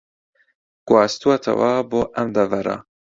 گواستووەتەوە بۆ ئەم دەڤەرە